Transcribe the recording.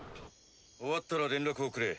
終わったら連絡をくれ。